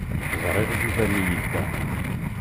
Ẓriɣ Yuba mi yedda.